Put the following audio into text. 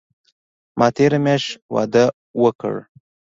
ما تیره میاشت واده اوکړ